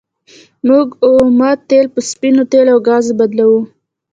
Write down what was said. موږ اومه تیل په سپینو تیلو او ګازو بدلوو.